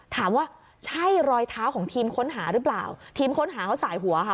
ถามว่าใช่รอยเท้าของทีมค้นหาหรือเปล่าทีมค้นหาเขาสายหัวค่ะ